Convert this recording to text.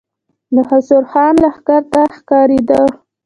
د خسرو خان لښکر نه ښکارېده.